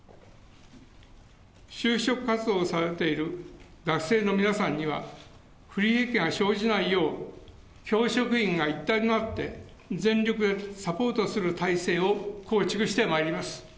就職活動をされている学生の皆さんには不利益が生じないよう、教職員が一体となって全力でサポートする体制を構築してまいります。